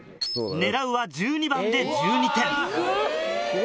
狙うは１２番で１２点。